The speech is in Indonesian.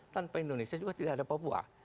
tanpa indonesia juga tidak ada papua